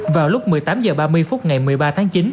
vào lúc một mươi tám h ba mươi phút ngày một mươi ba tháng chín